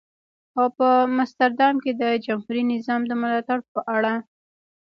او په مستر دام کې د جمهوري نظام د ملاتړ په اړه.